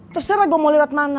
terserah gue mau lewat mana